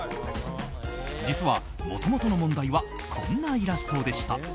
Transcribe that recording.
実は、もともとの問題はこんなイラストでした。